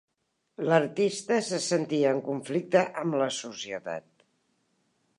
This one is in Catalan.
L'artista se sentia en conflicte amb la societat.